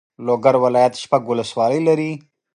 لوګر ولایت شپږ والسوالۍ لري.